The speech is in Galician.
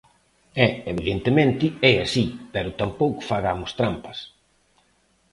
E, evidentemente, é así, pero tampouco fagamos trampas.